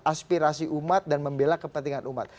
aspirasi umat dan membela kepentingan umat